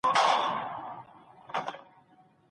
چي هر ځای به کار پیدا سو دی تیار و